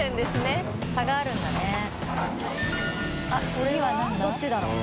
これは？どっちだろう？